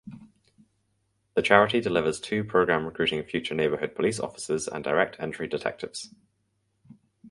The charity delivers two programme recruiting future Neighbourhood Police Officers and direct entry Detectives.